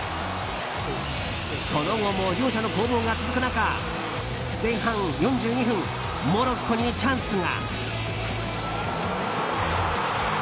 その後も、両者の攻防が続く中前半４２分モロッコにチャンスが。